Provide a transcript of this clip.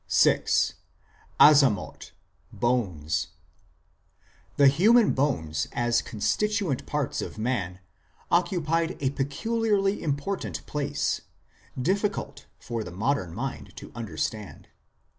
3 VI. "AZAM6TH," BONES The human bones as constituent parts of man oc cupied a peculiarly important place, difficult for the modern mind to understand.